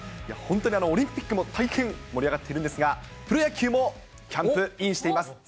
本当にオリンピックも大変盛り上がってるんですが、プロ野球もキャンプインしています。